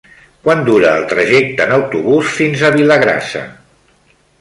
Quant dura el trajecte en autobús fins a Vilagrassa?